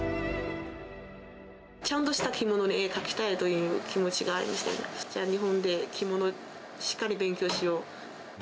ちゃんとした着物に絵描きたいという気持ちがあるんで、日本で着物しっかり勉強しよう。